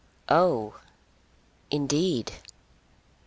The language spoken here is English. "Oh, indeed."